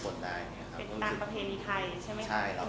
เป็นต่างประเภทในไทยใช่ไหมครับ